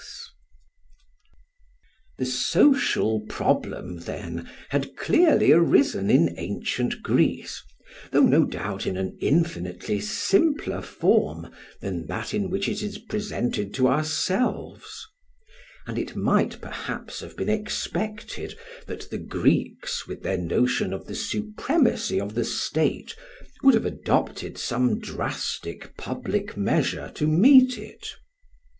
] The "social problem," then, had clearly arisen in ancient Greece, though no doubt in an infinitely simpler form than that in which it is presented to ourselves; and it might perhaps have been expected that the Greeks, with their notion of the supremacy of the state, would have adopted some drastic public measure to meet it.